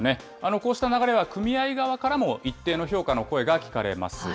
こうした流れは組合側からも、一定の評価の声が聞かれます。